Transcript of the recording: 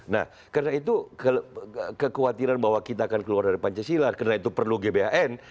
nah karena itu kekhawatiran bahwa kita akan keluar dari pancasila karena itu perlu gbhn